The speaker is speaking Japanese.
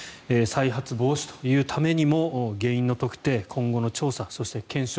再発防止というためにも原因の特定今後の調査、そして検証